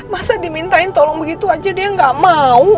masa dimintain tolong begitu aja dia gak mau